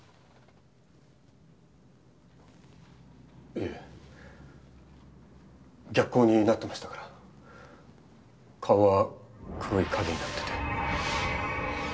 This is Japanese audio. いえ逆光になってましたから顔は黒い影になっててはっきりとは。